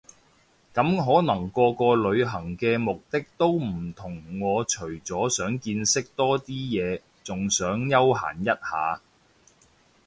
咁可能個個旅行嘅目的都唔同我除咗想見識多啲嘢，仲想休閒一下